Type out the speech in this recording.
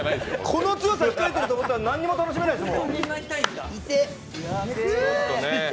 この強さが控えていると思ったらなんも楽しめないですよ。